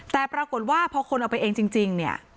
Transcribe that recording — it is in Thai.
แต่ปรากฏว่าพอคนเอาไปเองจริงเนี่ย